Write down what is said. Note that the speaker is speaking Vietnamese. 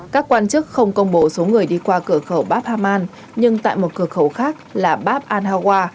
các quan chức không công bố số người đi qua cửa khẩu bab haman nhưng tại một cửa khẩu khác là bab an hawa